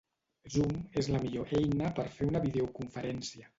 Zoom és la millor eina per fer una videoconferència.